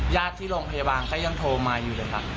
ญาติที่โรงพยาบาลก็ยังโทรมาอยู่เลยครับ